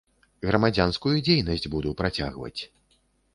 Грамадзянскую дзейнасць буду працягваць.